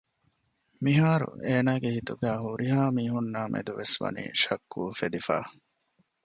މިހާރު އޭނާގެ ހިތުގައި ހުރިހާ މީހުންނާމެދުވެސް ވަނީ ޝައްކު އުފެދިފަ